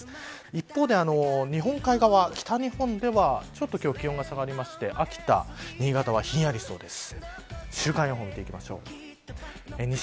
一方で、日本海側北日本側では今日はちょっと気温が下がって秋田、新潟はひんやりしそうです。